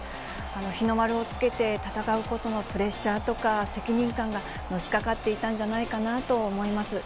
日の丸をつけて戦うことのプレッシャーとか責任感がのしかかっていたんじゃないかなと思います。